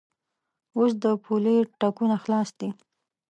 اوس د پولې ټکونه خلاص دي.